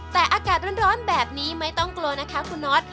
แต่อากาศร้อนแบบนี้ไม่ต้องกลัวนะคะคุณน็อต